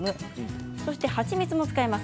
そして、はちみつも使います。